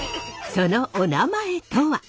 そのおなまえとは？